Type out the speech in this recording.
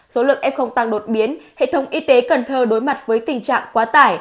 số lượng f tăng đột biến hệ thống y tế cần thơ đối mặt với tình trạng quá tải